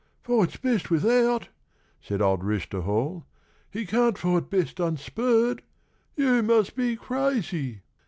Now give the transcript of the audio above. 'Fights best without?' said old Rooster Hall; 'he can't fight best unspurred! You must be crazy!'